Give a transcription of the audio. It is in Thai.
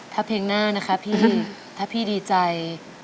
ถ้าเพลงหน้านะคะพี่ถ้าพี่ดีใจ